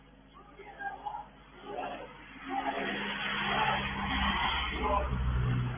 เพื่อที่คนรู้สึกถึงเวลาคราว